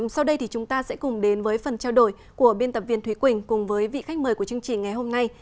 sau đây thì chúng ta sẽ cùng đến với phần trao đổi của biên tập viên thúy quỳnh cùng với vị khách mời của chương trình ngày hôm nay